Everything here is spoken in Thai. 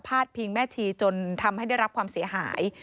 พิงแม่ชีจนทำให้ได้รับความเสียหาย